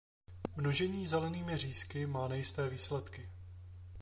Množení zelenými řízky má nejisté výsledky.